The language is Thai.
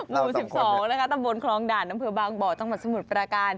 หมู่๑๒นะคะตำบลคลองด่านอำเภอบางบ่อจังหวัดสมุทรปราการ